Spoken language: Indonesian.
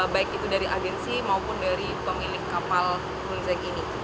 baik itu dari agensi maupun dari pemilik kapal mulzag ini